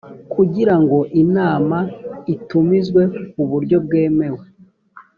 kugirango inama itumizwe ku buryo bwemewe